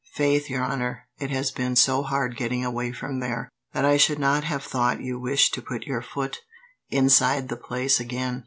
"Faith, your honour, it has been so hard getting away from there, that I should not have thought you wished to put your foot inside the place again.